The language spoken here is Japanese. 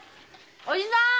おじさん